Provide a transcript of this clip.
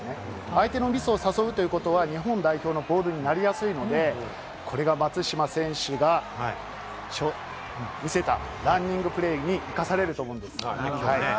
相手のミスを誘うということは日本代表のボールになりやすいので、これが松島選手が見せたランニングプレーに生かされると思うんです。